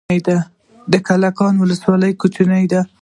د کلکان ولسوالۍ کوچنۍ ده